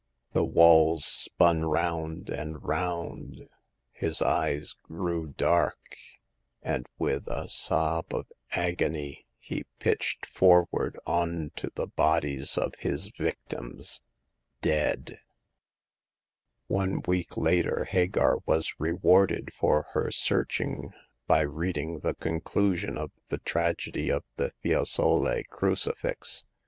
The walls spun round and round, his eyes grew dark, and with a sob of agony he pitched forward on to the bodies of his victims — dead. One week later Hagar vj^.% iw^^x^^^^^^^^sx 128 Hagar of the Pawn Shop. searching by reading the conclusion of the tragedy of the Fiesole Crucifix.